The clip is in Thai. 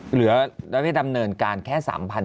เหลือโดยไม่ดำเนินการแค่๓๗๘๙